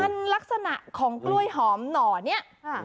มันลักษณะของกล้วยหอมหน่อนี้